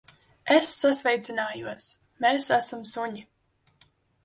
Es sasveicinājos. Mēs esam suņi.